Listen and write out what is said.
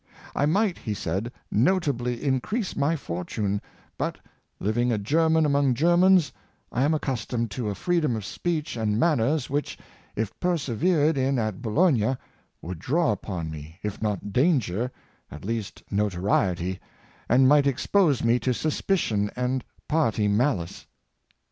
" I might," he said, " notably increase my fortune, but, living a German among Germans, I am accustomed to a freedom of speech and manners which, if persevered in at Bologna, would draw upon me, if not danger, at least notoriety, and might expose me to suspicion and party malice."